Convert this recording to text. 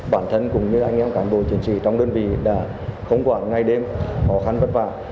bản thân cũng như anh em cám bộ chiến sĩ trong đơn vị đã khống quản ngay đêm khó khăn vất vả